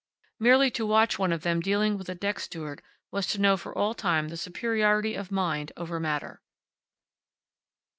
Merely to watch one of them dealing with a deck steward was to know for all time the superiority of mind over matter.